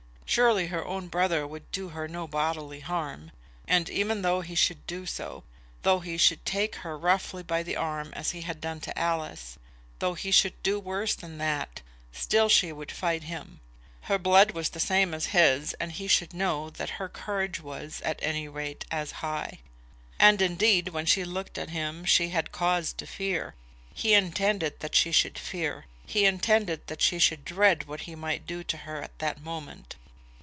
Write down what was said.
Surely her own brother would do her no bodily harm. And even though he should do so, though he should take her roughly by the arm as he had done to Alice, though he should do worse than that, still she would fight him. Her blood was the same as his, and he should know that her courage was, at any rate, as high. And, indeed, when she looked at him, she had cause to fear. He intended that she should fear. He intended that she should dread what he might do to her at that moment.